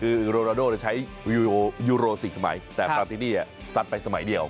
คือโรนาโดใช้ยูโร๔สมัยแต่ปราตินี่ซัดไปสมัยเดียว